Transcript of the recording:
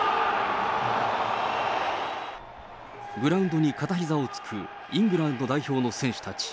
グラウンドに片ひざをつくイングランド代表の選手たち。